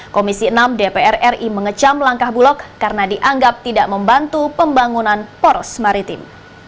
komisi enam dpr ri mengecam langkah bulog karena dianggap tidak membantu pembangunan poros maritim